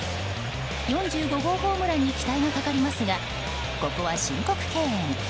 ４５号ホームランに期待がかかりますがここは申告敬遠。